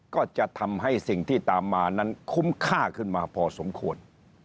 ก็จะทำให้สิ่งที่ตามมานั้นคุ้มค่าขึ้นมาพอสมควร